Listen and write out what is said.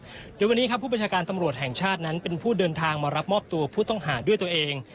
โดยวันนี้ครับผู้ประชาการตำรวจแห่งชาตินั้นเป็นผู้เดินทางมารับมอบตัวผู้ต้องหาด้วยตัวเอง